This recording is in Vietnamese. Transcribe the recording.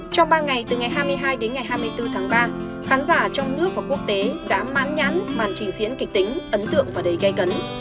trong ba ngày từ ngày hai mươi hai đến ngày hai mươi bốn tháng ba khán giả trong nước và quốc tế đã man nhãn màn trình diễn kịch tính ấn tượng và đầy gây cấn